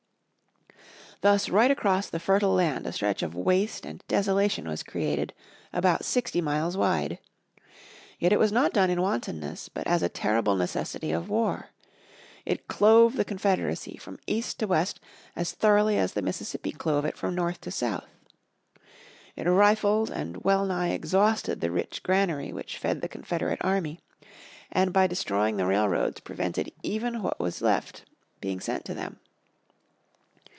Thus right across the fertile land a stretch of waste and desolation was created about sixty miles wide. Yet it was not done in wantonness, but as a terrible necessity of war. It clove the Confederacy from east to west as thoroughly as the Mississippi clove it from north to south. It rifled and well nigh exhausted the rich granary which fed the Confederate army, and by destroying the railroads prevented even what was left being sent to them.